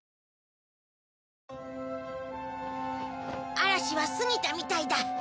嵐は過ぎたみたいだ。